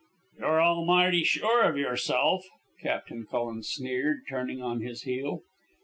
"You're almighty sure of yourself," Captain Cullen sneered, turning on his heel.